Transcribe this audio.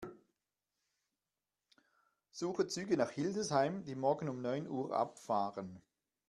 Suche Züge nach Hildesheim, die morgen um neun Uhr abfahren.